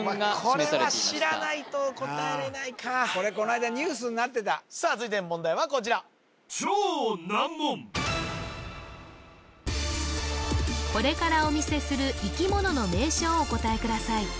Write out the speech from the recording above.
これは知らないと答えれないかさあ続いての問題はこちらこれからお見せする生き物の名称をお答えください